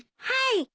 はい。